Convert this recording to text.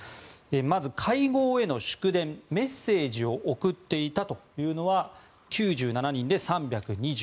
まず会合への祝電、メッセージを送っていたというのは９７人で３２８件。